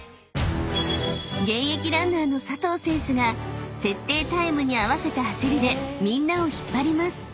［現役ランナーの佐藤選手が設定タイムに合わせた走りでみんなを引っ張ります］